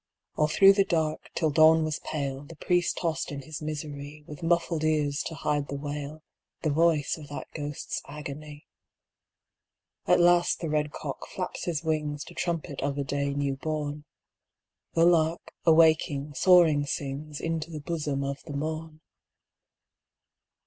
All through the dark, till dawn was pale, The priest tossed in his misery, With muffled ears to hide the wail, The voice of that ghost's agony. At last the red cock flaps his wings To trumpet of a day new born. The lark, awaking, soaring sings Into the bosom of the morn.